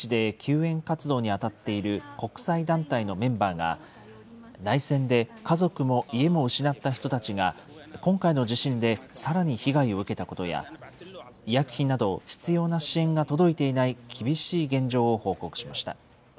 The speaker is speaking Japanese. シリアの被災地で救援活動に当たっている国際団体のメンバーが内戦で家族も家も失った人たちが、今回の地震でさらに被害を受けたことや、医薬品など必要な支援が届いていない厳しい現状を報告しました。